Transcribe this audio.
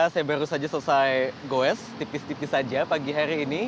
saya baru saja selesai goes tipis tipis saja pagi hari ini